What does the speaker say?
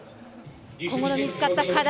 今後見つかった課題